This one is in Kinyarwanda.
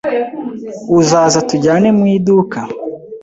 Uzaza tujyane mu iduka?